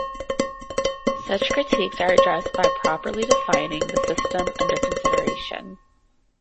Such critiques are addressed by properly defining the system under consideration.